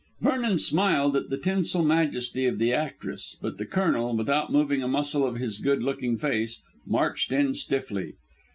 Vernon smiled at the tinsel majesty of the actress, but the Colonel, without moving a muscle of his good looking face, marched in stiffly.